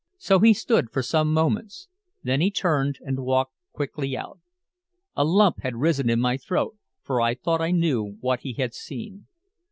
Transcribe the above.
So he stood for some moments. Then he turned and walked quickly out. A lump had risen in my throat, for I thought I knew what he had seen.